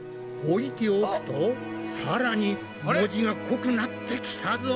置いておくとさらに文字が濃くなってきたぞ。